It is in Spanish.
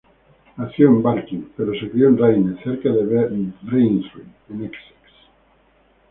Nació en Barking, pero se crio en Rayne, cerca de Braintree en Essex.